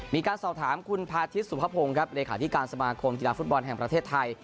มีการสอบถามคุณพาทิศสุภพงศ์ครับเลขาธิการสมาคมกีฬาฟุตบอลแห่งประเทศไทย